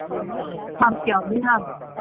ความเกี่ยวเนื่อง